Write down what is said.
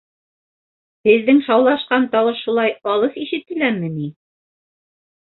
Беҙҙең шаулашҡан тауыш шулай алыҫ ишетеләме ни?